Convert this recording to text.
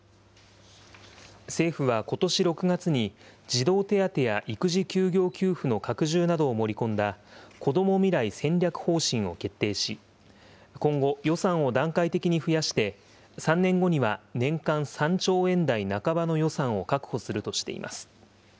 政府はことし６月に児童手当や育児休業給付の拡充などを盛り込んだこども未来戦略方針を決定し、今後、予算を段階的に増やして、３年後には年間３兆円台半ばの予算を確保するとしています。